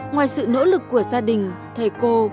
ngoài sự nỗ lực của gia đình thầy cô